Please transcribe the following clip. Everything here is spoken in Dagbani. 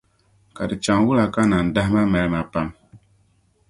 Ka di chaŋ wula ka nandahima mali ma pam?